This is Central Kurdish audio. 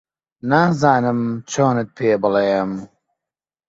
نازانم چۆنت پێ بڵێم